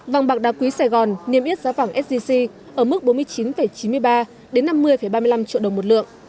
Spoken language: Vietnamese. vàng bạc đa quý sài gòn niêm yết giá vàng sgc ở mức bốn mươi chín chín mươi ba năm mươi ba mươi năm triệu đồng một lượng